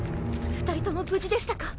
二人とも無事でしたか。